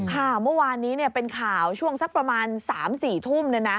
เมื่อวานนี้เป็นข่าวช่วงสักประมาณ๓๔ทุ่ม